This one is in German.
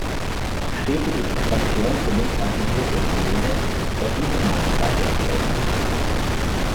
Stetige Expansion gelingt also nur durch Löhne, da diese Nachfrage erzeugen.